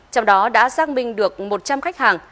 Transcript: trong đó đã xác minh được một trăm linh khách hàng